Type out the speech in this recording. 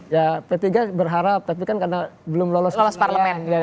ya p tiga berharap tapi kan karena belum lolos kelas parlemen